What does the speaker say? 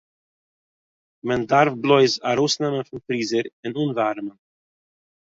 מען דאַרף בלויז אַרויסנעמען פון פריזער אין אָנוואַרעמען